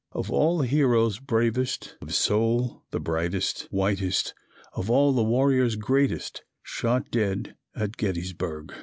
Of all the heroes bravest, Of soul the brightest, whitest, Of all the warriors greatest, Shot dead at Gettysburg.